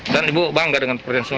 dan ibu bangga dengan pekerjaan suami